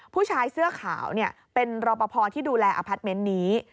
ผู้ชายเสื้อขาวเป็นรอปภที่ดูแลอพาร์ทเมนต์นี้